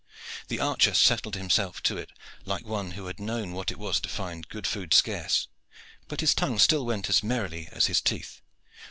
The archer settled himself to it like one who had known what it was to find good food scarce; but his tongue still went as merrily as his teeth.